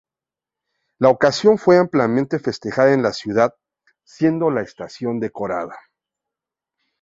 La ocasión fue ampliamente festejada en la ciudad, siendo la estación decorada.